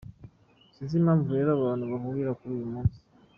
Sinzi impamvu rero abantu bahurura kuri uyu munsi.